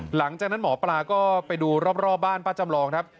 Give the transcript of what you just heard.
หลังจากนั้นหมอปลาก็ไปดูรอบบ้านป้าจำลองครับ